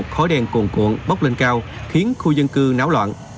khói đen cuồn cuộn bốc lên cao khiến khu dân cư náo loạn